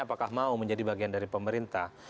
apakah mau menjadi bagian dari pemerintah